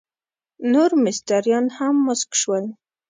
نور مستریان هم مسک شول.